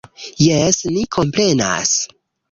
Jes, ni komprenas.